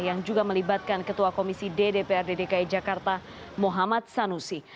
yang juga melibatkan ketua komisi ddpr dki jakarta muhammad sanusi